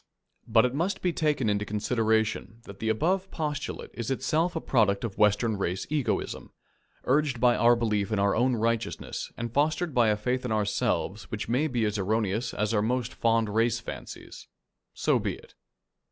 But it must be taken into consideration that the above postulate is itself a product of Western race egotism, urged by our belief in our own righteousness and fostered by a faith in ourselves which may be as erroneous as are most fond race fancies. So be it.